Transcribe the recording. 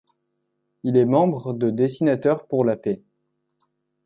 Il est membre de Dessinateurs pour la paix.